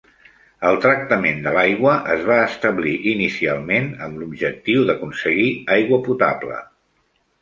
El tractament de l'aigua es va establir inicialment amb l'objectiu d'aconseguir aigua potable.